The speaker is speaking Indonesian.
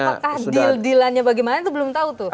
apakah deal dealannya bagaimana itu belum tahu tuh